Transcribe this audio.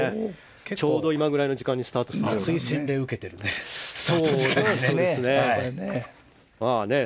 ちょうど今ぐらいの時間にスタートするんですね。